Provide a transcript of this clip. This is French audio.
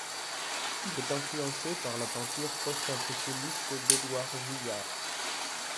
Il est influencé par la peinture post-impressionniste d'Édouard Vuillard.